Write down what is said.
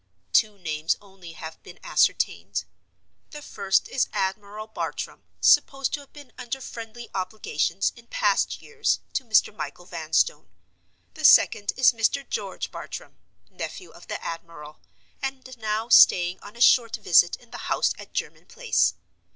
Two names only have been ascertained. The first is Admiral Bartram; supposed to have been under friendly obligations, in past years, to Mr. Michael Vanstone. The second is Mr. George Bartram, nephew of the Admiral, and now staying on a short visit in the house at German Place.